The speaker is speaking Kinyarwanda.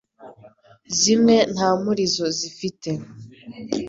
zimwe nta murizo zifite